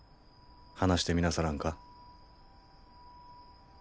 話してみなさらんか。